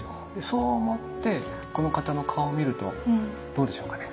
そう思ってこの方の顔を見るとどうでしょうかね？